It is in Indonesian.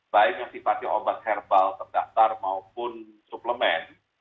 baik yang sifatnya obat herbal terdaftar maupun suplemen